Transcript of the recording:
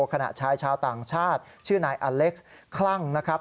ขณะชายชาวต่างชาติชื่อนายอเล็กซ์คลั่งนะครับ